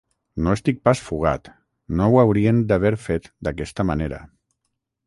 No estic pas fugat, no ho haurien d’haver fet d’aquesta manera.